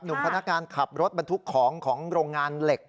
พนักงานขับรถบรรทุกของของโรงงานเหล็ก